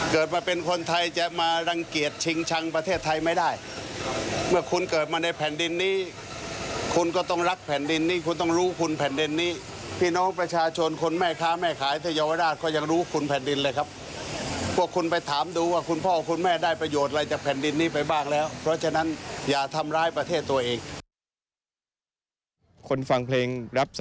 คุณพ่อคุณพ่อคุณพ่อคุณพ่อคุณพ่อคุณพ่อคุณพ่อคุณพ่อคุณพ่อคุณพ่อคุณพ่อคุณพ่อคุณพ่อคุณพ่อคุณพ่อคุณพ่อคุณพ่อคุณพ่อคุณพ่อคุณพ่อคุณพ่อคุณพ่อคุณพ่อคุณพ่อคุณพ่อคุณพ่อคุณพ่อคุณพ่อคุณพ่อคุณพ่อคุณพ่อคุณพ่อ